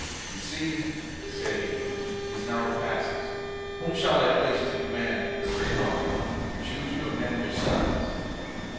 "You see," said he, "these narrow passes. Whom shall I place to command the rearguard? Choose you a man yourselves."